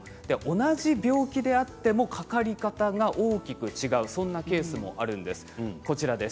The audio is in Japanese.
同じ病気であってもかかり方が大きく違うそんなケースもあるんです。